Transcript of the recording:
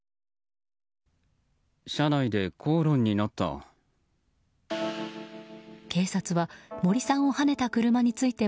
車内で口論になった。